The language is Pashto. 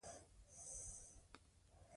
شرقي ملت تر غربي دولت بری موندلی وو.